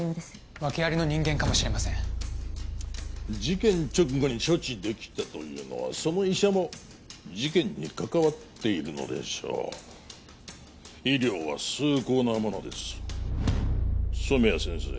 訳ありの人間かもしれません事件直後に処置できたというのはその医者も事件に関わっているのでしょう医療は崇高なものです染谷先生